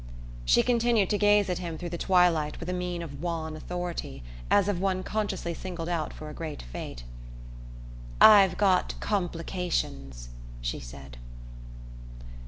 She continued to gaze at him through the twilight with a mien of wan authority, as of one consciously singled out for a great fate. "I've got complications," she said.